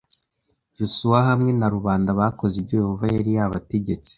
Yosuwa hamwe na rubanda bakoze ibyo Yehova yari yabategetse